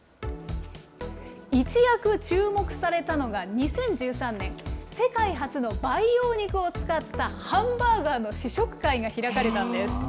一躍注目されたのが２０１３年、世界初の培養肉を使ったハンバーガーの試食会が開かれたんです。